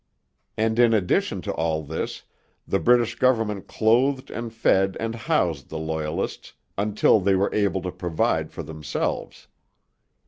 And in addition to all this, the British government clothed and fed and housed the Loyalists until they were able to provide for themselves.